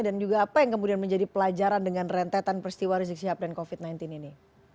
dan juga apa yang kemudian menjadi pelajaran dengan rentetan peristiwa risikosihab dan covid sembilan belas ini